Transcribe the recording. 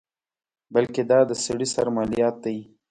بلکې دا د سړي سر مالیات دي.